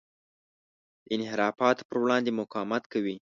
د انحرافاتو پر وړاندې مقاومت کوي.